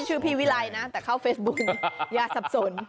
ชื่อพี่วิไลนะแต่เข้าเฟซบุ๊กอย่าสับสน